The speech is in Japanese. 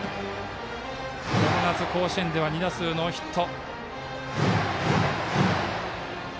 この夏、甲子園では２打数ノーヒット。